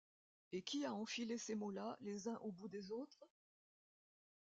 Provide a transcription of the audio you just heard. Et qui a enfilé ces mots-là les uns au bout des autres?...